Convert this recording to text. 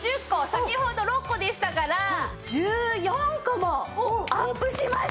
先ほど６個でしたから１４個もアップしました！